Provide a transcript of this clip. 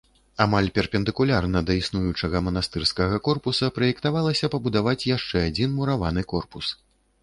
Амаль перпендыкулярна да існуючага манастырскага корпуса праектавалася пабудаваць яшчэ адзін мураваны корпус.